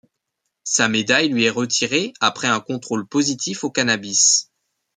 Sa médaille lui est retirée après un contrôle positif au cannabis.